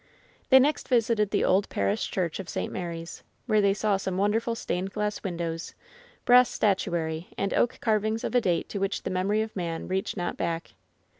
They next visited the old parish church of St. Mary's, where they saw some wonderful stained glass windows, brass statuary, and oak carvings of a date to which the memory of man reached not back.